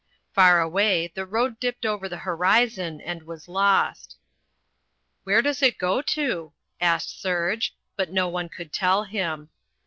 Far away the road dipped over the horizon and was lost. "Where does it go to?" asked Serge. But no one could tell him.